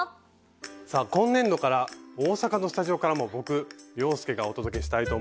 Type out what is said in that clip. さあ今年度から大阪のスタジオからも僕洋輔がお届けしたいと思います。